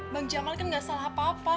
bang jamal kan gak salah apa apa